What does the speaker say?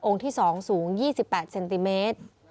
องค์ที่สองสูง๒๘เซนติเมตร